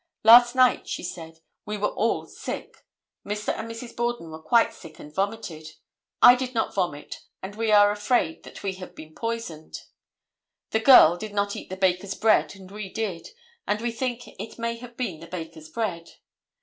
Last night," she said, "we were all sick; Mr. and Mrs. Borden were quite sick and vomited; I did not vomit, and we are afraid that we have been poisoned; the girl did not eat the baker's bread and we did, and we think it may have been the baker's bread."